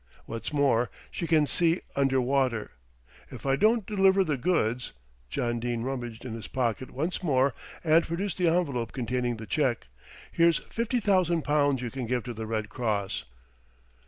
What's more, she can see under water. If I don't deliver the goods" John Dene rummaged in his pocket once more and produced the envelope containing the cheque "here's fifty thousand pounds you can give to the Red Cross."